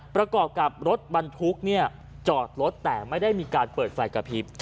ประกอบกับรถบรรทุกจอดรถแต่ไม่ได้มีการเปิดไฟกระพริบ